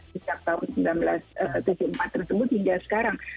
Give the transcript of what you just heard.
sejak tahun seribu sembilan ratus tujuh puluh empat tersebut hingga sekarang